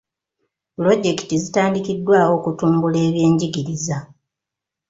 Pulojekiti zitandikiddwawo okutumbula ebyenjigiriza.